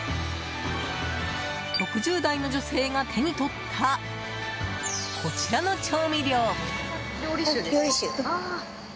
６０代の女性が手に取ったこちらの調味料。